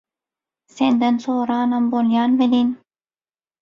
Senden soranam bolýan welin